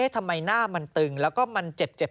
ทำไมหน้ามันตึงและเจ็บ